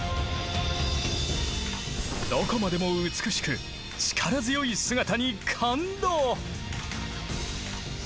どこまでも美しく力強い姿に感動。